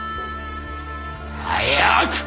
早く！